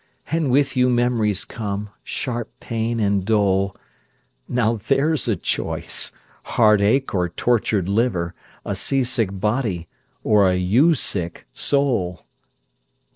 And with you memories come, sharp pain, and dole. Now there's a choice heartache or tortured liver! A sea sick body, or a you sick soul!